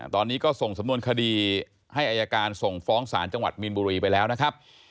ตอนนี้ก็ส่งสำนวนคดีให้อายการส่งฟ้องศาลจังหวัดมีนบุรีไปแล้วนะครับ